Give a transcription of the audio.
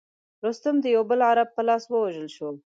رستم د یوه بل عرب په لاس ووژل شو.